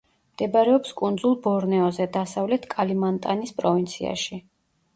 მდებარეობს კუნძულ ბორნეოზე, დასავლეთ კალიმანტანის პროვინციაში.